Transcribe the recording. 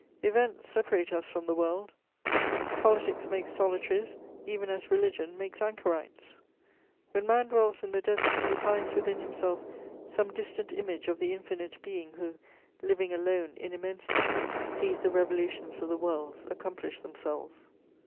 Events separate us from the world; politics make solitaries, even as religion makes anchorites. When man dwells in the desert, he finds within himself some distant image of the Infinite Being who, living alone in immensity, sees the revolutions of the worlds accomplish themselves.